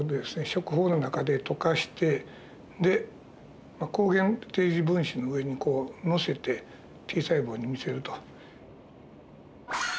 食胞の中で溶かしてで抗原提示分子の上にこう載せてＴ細胞に見せると。